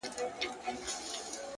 • له ستړیا له بېخوبیه لکه مړی,